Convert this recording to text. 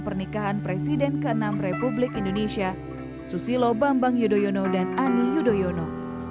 pernikahan presiden ke enam republik indonesia susilo bambang yudhoyono dan ani yudhoyono